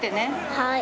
はい。